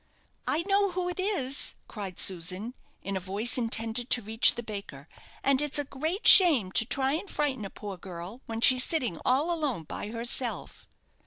"I know who it is," cried Susan, in a voice intended to reach the baker; "and it's a great shame to try and frighten a poor girl when she's sitting all alone by herself."